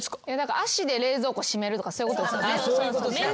足で冷蔵庫閉めるとかそういうことですよね。